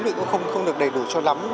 thì cũng không được đầy đủ cho lắm